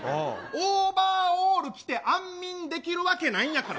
オーバーオール着て安眠できるわけないんやから。